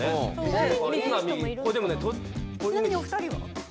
ちなみにお二人は？